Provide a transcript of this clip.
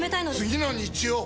次の日曜！